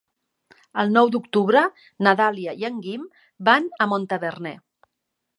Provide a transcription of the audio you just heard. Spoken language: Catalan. El nou d'octubre na Dàlia i en Guim van a Montaverner.